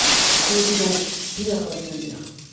Que veux-tu donc ? Pinard va te le dire.